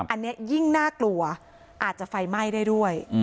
อันนี้ยิ่งน่ากลัวอาจจะไฟไหม้ได้ด้วย